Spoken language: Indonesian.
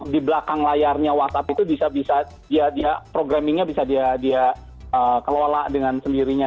di belakang layarnya whatsapp itu bisa bisa dia programmingnya bisa dia kelola dengan sendirinya